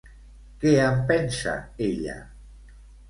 Què en pensa ella?